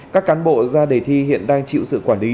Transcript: các cán bộ ra đề thi hiện đang chịu sự quản lý